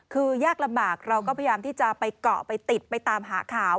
คือยากลำบากเราก็พยายามที่จะไปเกาะไปติดไปตามหาข่าว